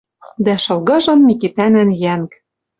Дӓ шылгыжын Микитӓнӓн йӓнг.